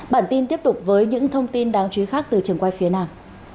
bản tin tiếp tục với những thông tin đáng chú ý khác từ trường quay phía nam